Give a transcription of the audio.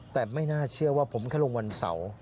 แต่ไม่น่าเชื่อว่าผมแค่ลงวันเสาร์